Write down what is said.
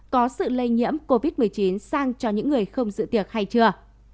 có sự lây nhiễm covid một mươi chín sang cho những người không dự tiệc hay chưa